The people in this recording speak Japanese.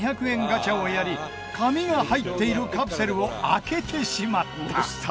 ガチャをやり紙が入っているカプセルを開けてしまった！